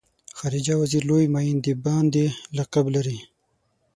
خارجه وزیر لوی معین د باندې لقب لري.